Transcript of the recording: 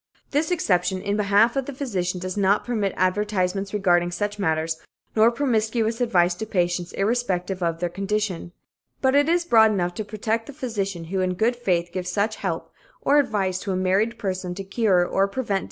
"This exception in behalf of physicians does not permit advertisements regarding such matters, nor promiscuous advice to patients irrespective of their condition, but it is broad enough to protect the physician who in good faith gives such help or advice to a married person to cure or prevent disease.